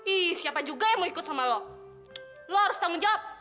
ih siapa juga yang mau ikut sama lo lo harus tanggung jawab